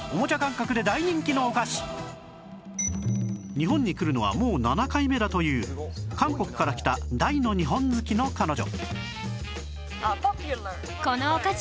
日本に来るのはもう７回目だという韓国から来た大の日本好きの彼女